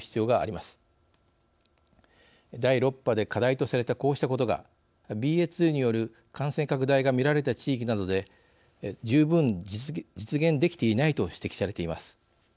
第６波で課題とされたこうしたことがＢＡ．２による感染拡大が見られた地域などで「十分実現できていない」と指摘されています。